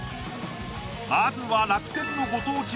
まずは楽天のご当地